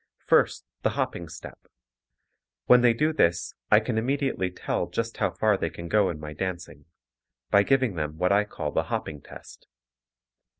First the hopping step. When they do this I can immediately tell just how far they can go in my dancing by giving them what I call the hopping test.